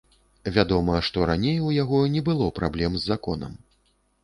Вядома, што раней у яго не было праблем з законам.